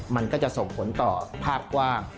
มันก็จะส่งผลต่อภาพกว้าง